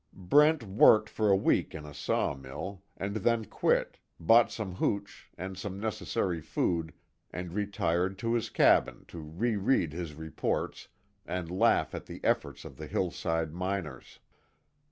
Brent worked for a week in a sawmill, and then quit, bought some hooch and some necessary food, and retired to his cabin to reread his reports and laugh at the efforts of the hillside miners.